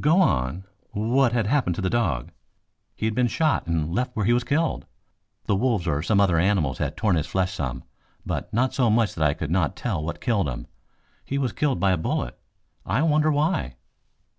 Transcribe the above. "Go on. What had happened to the dog?" "He had been shot and left where he was killed. The wolves or some other animals had torn his flesh some, but not so much that I could not tell what killed him. He was killed by a bullet. I wonder why?"